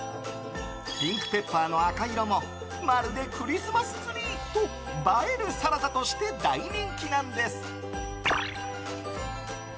ピンクペッパーの赤色もまるでクリスマスツリー！と映えるサラダとして大人気なんです。